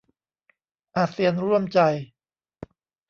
อาเซียนร่วมใจ